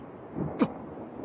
あっ！